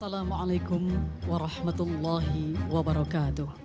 assalamualaikum warahmatullahi wabarakatuh